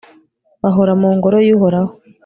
bahora mu ngoro y'uhoraho